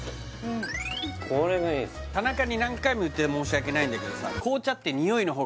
田中に何回も言って申し訳ないんだけどさ